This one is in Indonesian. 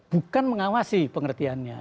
bukan mengawasi pengertiannya